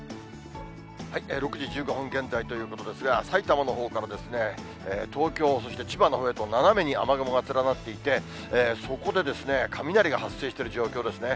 ６時１５分現在ということですが、埼玉のほうから、東京、そして千葉のほうへと斜めに雨雲が連なっていて、そこで雷が発生している状況ですね。